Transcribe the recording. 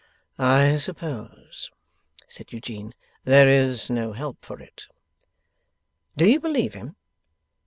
'I suppose,' said Eugene, 'there is no help for it.' 'Do you believe him?